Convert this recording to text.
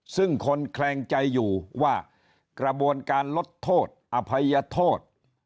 ซึ่งคนแคลงใจอยู่ว่ากระบวนการลดโทษอภัยโทษ